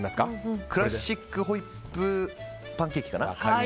クラシックホイップパンケーキかな。